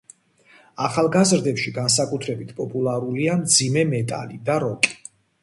ახალგაზრდებში განსაკუთრებით პოპულარულია მძიმე მეტალი და როკი.